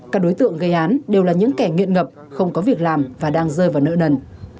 các đối tượng gây án đều là những kẻ nghiện ngập không có việc làm và đang rơi vào nợ nần